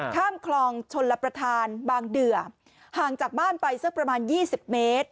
ข้ามคลองชนระประทานบางเดือห่างจากบ้านไปเสียประมาณยี่สิบเมตร